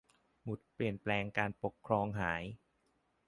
หมุดเปลี่ยนแปลงการปกครองหาย